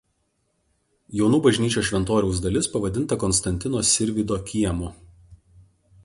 Jonų bažnyčios šventoriaus dalis pavadinta Konstantino Sirvydo kiemu.